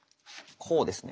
こうですね。